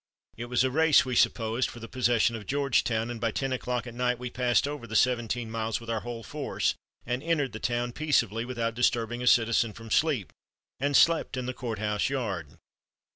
It was a race, we supposed, for the possession of Georgetown, and by ten o'clock at night we passed over the seventeen miles with our whole force, and entered the town peaceably, without disturbing a citizen from sleep, and slept in the court house yard.